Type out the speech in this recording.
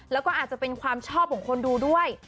แล้วก็อาจจะเป็นความชอบของคนดูด้วย